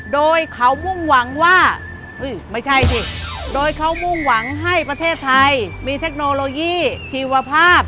โดยเขามุ่งหวังให้ประเทศไทยมีเทคโนโลยีชีวภาพ